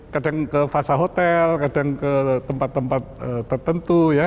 kadang ke fasa hotel kadang ke tempat tempat tertentu ya